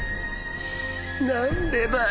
何でだよ！